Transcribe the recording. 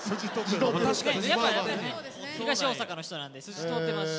やっぱ東大阪の人なんで筋通ってますし。